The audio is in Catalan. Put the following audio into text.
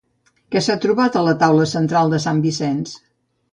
Què s'ha trobat a la taula central de sant Vicenç?